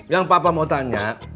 yang papa mau tanya